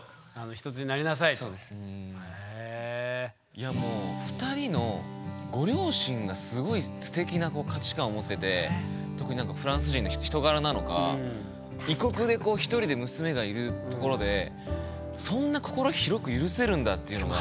いやもう２人のご両親がすごいすてきな価値観を持ってて特にフランス人の人柄なのか異国で１人で娘がいるところでそんな心広く許せるんだっていうのが。